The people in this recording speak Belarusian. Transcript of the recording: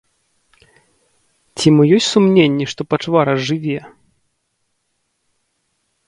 Ці мо ёсць сумненні, што пачвара жыве?